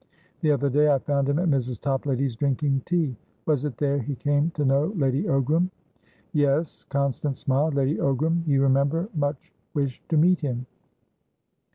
The other day, I found him at Mrs. Toplady's, drinking tea. Was it there he came to know Lady Ogram?" "Yes." Constance smiled. "Lady Ogram, you remember, much wished to meet him."